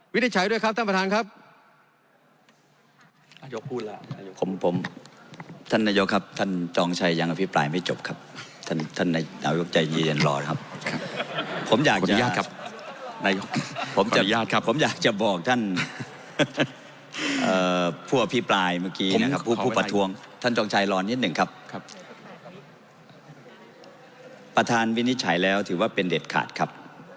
วินิจฉัยด้วยครับท่านประธานครับ